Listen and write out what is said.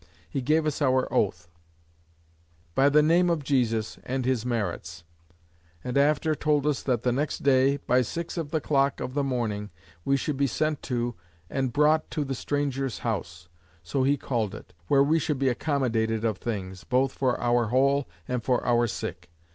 He gave us our oath; "By the name of Jesus, and his merits:" and after told us, that the next day, by six of the Clock, in the Morning, we should be sent to, and brought to the Strangers' House, (so he called it,) where we should be accommodated of things, both for our whole, and for our sick.